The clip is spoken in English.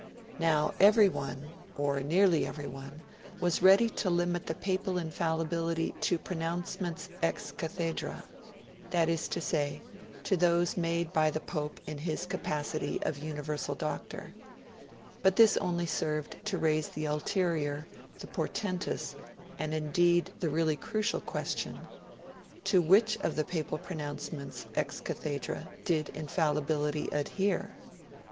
Now everyone, or nearly everyone, was ready to limit the Papal Infallibility to pronouncements ex cathedra that is to say, to those made by the Pope in his capacity of Universal Doctor; but this only served to raise the ulterior, the portentous, and indeed the really crucial question to WHICH of the Papal pronouncements ex cathedra did Infallibility adhere?